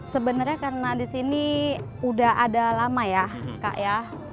sebenarnya karena di sini udah ada lama ya kak ya